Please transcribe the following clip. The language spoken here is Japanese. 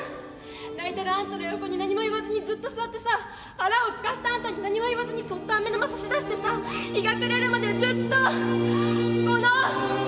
泣いてるあんたの横に何も言わずにずっと座ってさ腹をすかせたあんたに何も言わずにそっとアメ玉差し出してさ日が暮れるまでずっとこの」。